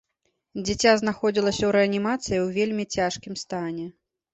Дзіця знаходзіцца ў рэанімацыі ў вельмі цяжкім стане.